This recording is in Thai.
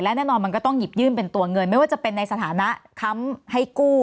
แน่นอนมันก็ต้องหยิบยื่นเป็นตัวเงินไม่ว่าจะเป็นในสถานะค้ำให้กู้